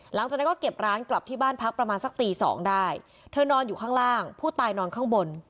หลังจากนั้นก็เก็บร้านกลับที่บ้านพักประมาณสักตีสองได้เธอนอนอยู่ข้างล่างผู้ตายนอนข้างบน